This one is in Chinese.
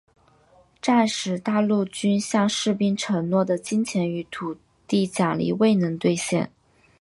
战时大陆军向士兵承诺的金钱与土地奖励未能兑现。